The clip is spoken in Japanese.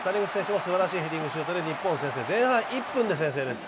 すばらしいヘディングシュートで前半１点先制です。